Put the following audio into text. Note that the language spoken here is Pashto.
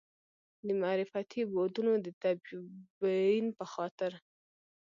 د معرفتي بعدونو د تبیین په خاطر.